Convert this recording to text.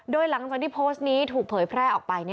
โดยหลังจากที่โพสต์นี้ถูกเผยแพร่ออกไป